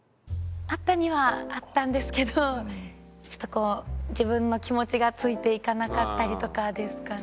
あったにはあったんですけどちょっとこう自分の気持ちがついていかなかったりとかですかね。